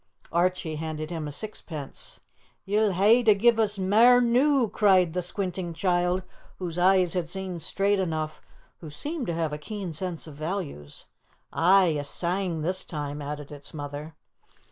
Archie handed him a sixpence. "Ye'll hae to gie us mair noo!" cried the squinting child, whose eyes had seen straight enough, and who seemed to have a keen sense of values. "Aye, a sang this time," added its mother.